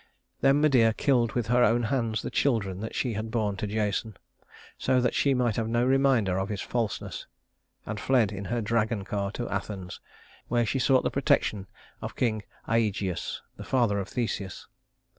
Then Medea killed with her own hands the children that she had borne to Jason so that she might have no reminder of his falseness and fled in her dragon car to Athens, where she sought the protection of King Ægeus, the father of Theseus.